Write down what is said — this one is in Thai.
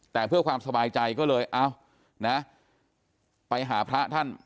แต่เพื่อความสบายใจก็เลยเอ้านะไปหาพระท่าน